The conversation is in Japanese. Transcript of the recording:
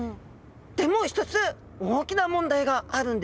でも一つ大きな問題があるんです！